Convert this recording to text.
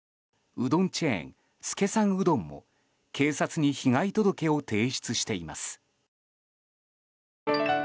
うどんチェーン資さんうどんも警察に被害届を提出しています。